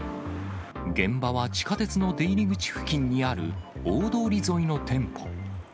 現場は地下鉄の出入り口付近にある大通り沿いの店舗。